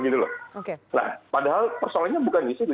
nah padahal persoalannya bukan disitu